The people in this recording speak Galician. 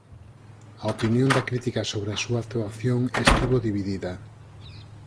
A opinión da crítica sobre a súa actuación estivo dividida.